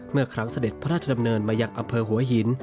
เมื่อครั้งเสด็จพระราชดำเนินมายังอำเภอหัวหิน